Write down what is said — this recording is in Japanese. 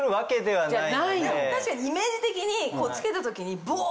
確かにイメージ的につけた時にボ！